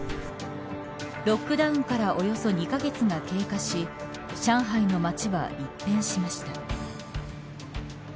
ロックダウンからおよそ２カ月が経過し上海の街は一変しました。